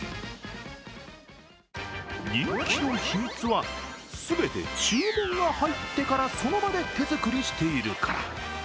人気の秘密は、すべて注文が入ってからその場で手作りしているから。